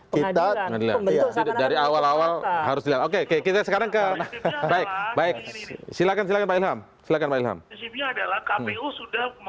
kita dari awal awal harus dilihat oke kita sekarang ke baik baik silakan silakan pak ilham silahkan pak ilham